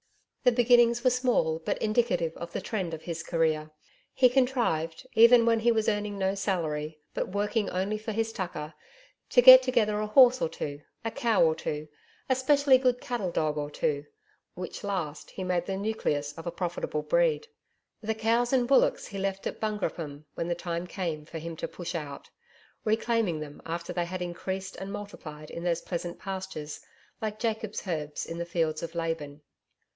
The beginnings were small, but indicative of the trend of his career. He contrived, even when he was earning no salary but working only for his 'tucker,' to get together a horse or two, a cow or two, a specially good cattle dog or two, which last he made the nucleus of a profitable breed. The cows and bullocks he left at Bungroopim when the time came for him to push out, reclaiming them after they had increased and multiplied in those pleasant pastures like Jacob's herds in the fields of Laban.